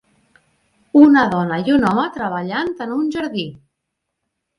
Una dona i un home treballant en un jardí.